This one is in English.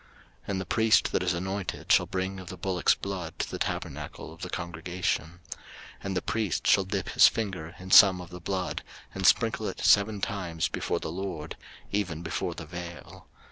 03:004:016 And the priest that is anointed shall bring of the bullock's blood to the tabernacle of the congregation: 03:004:017 And the priest shall dip his finger in some of the blood, and sprinkle it seven times before the LORD, even before the vail.